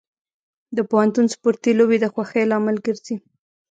د پوهنتون سپورتي لوبې د خوښۍ لامل ګرځي.